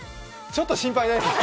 ちょっと心配です。